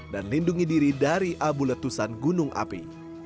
dan lindungi diri dari abu letusan gunung api